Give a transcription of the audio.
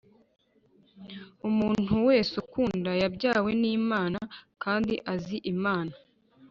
Umuntu wese ukunda yabyawe n’Imana kandi azi Imana.